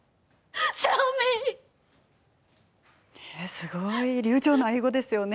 すごい流ちょうな英語ですね。